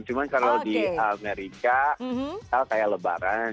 cuma kalau di amerika kayak lebaran